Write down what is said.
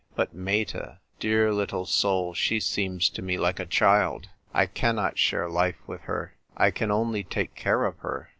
But Meta, dear little soul, she seems to me like a child. I cannot share life with her, I can only take care of her.